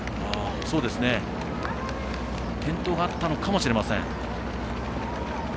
転倒があったのかもしれません。